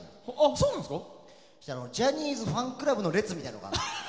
そうしたらジャニーズファンクラブの列みたいなのがあるの。